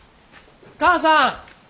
母さん！